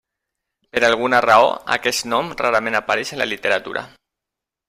Per alguna raó, aquest nom rarament apareix en la literatura.